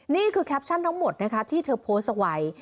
นี่คือแคปชั่นทั้งหมดที่เธอโพสต์ไว้